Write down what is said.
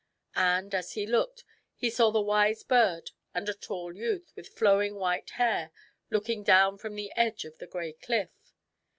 And, as he looked, he saw the wise bird and a tall youth with flowing white hair looking down from the edge of the gray cliff.